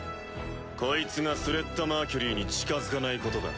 こいつがスレッタ・マーキュリーに近づかないことだ。